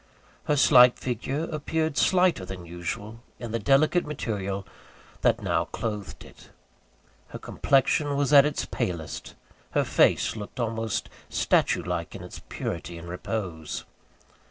Her slight figure appeared slighter than usual, in the delicate material that now clothed it. Her complexion was at its palest: her face looked almost statue like in its purity and repose.